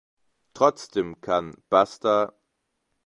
Trotzdem kann »Basta.